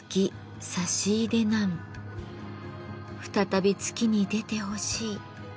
再び月に出てほしい。